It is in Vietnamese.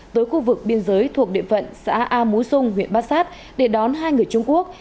tới khu vực biên giới thuộc địa phận xã a mú xung huyện bát sát để đón hai người trung quốc